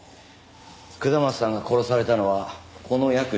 下松さんが殺されたのはこの約２時間後。